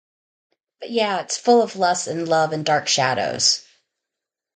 But yeah it's full of lust, and love, and dark shadows.